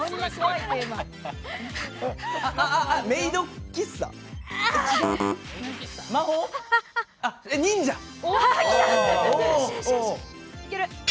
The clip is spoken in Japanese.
いける！